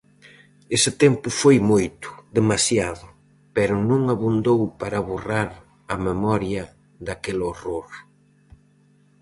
Ese tempo foi moito, demasiado, pero non abondou para borrar a memoria daquel horror.